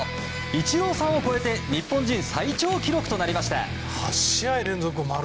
イチローさんを超えて日本人最長記録となりました。